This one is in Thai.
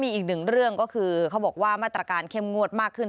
อีกหนึ่งเรื่องก็คือเขาบอกว่ามาตรการเข้มงวดมากขึ้น